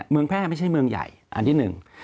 แพร่ไม่ใช่เมืองใหญ่อันที่หนึ่ง